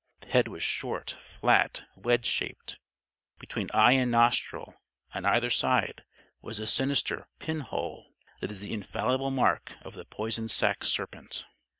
The head was short, flat, wedge shaped. Between eye and nostril, on either side, was the sinister "pinhole," that is the infallible mark of the poison sac serpent.